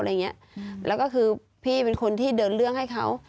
แล้วก็คือพี่เป็นคนที่เดินเรื่องให้เขา